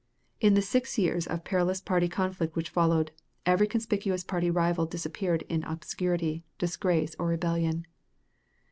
In the six years of perilous party conflict which followed, every conspicuous party rival disappeared in obscurity, disgrace, or rebellion.